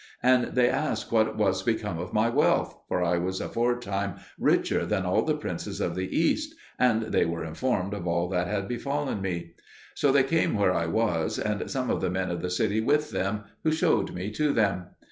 And they asked what was become of my wealth for I was aforetime richer than all the princes of the East and they were informed of all that had befallen me. So they came where I was, and some of the men of the city with them, who showed me to them.